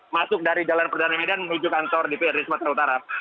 masuk dari jalan perdana medan menuju kantor dprd sumatera utara